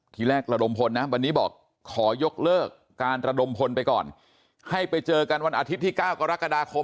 ทีแรกระดมพลนะวันนี้บอกขอยกเลิกการระดมพลไปก่อนให้ไปเจอกันวันอาทิตย์ที่๙กรกฎาคม